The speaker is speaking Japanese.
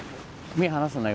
目離すな。